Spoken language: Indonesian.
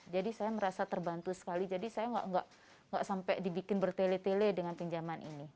jadi saya merasa terbantu sekali jadi saya enggak sampai dibikin bertele tele dengan pinjaman ini